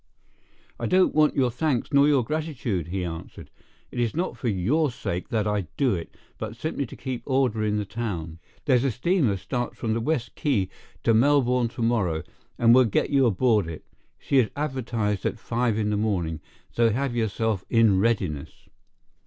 "I don't want your thanks nor your gratitude," he answered; "it's not for your sake that I do it, but simply to keep order in the town. There's a steamer starts from the West Quay to Melbourne to morrow, and we'll get you aboard it. She is advertised at five in the morning, so have yourself in readiness."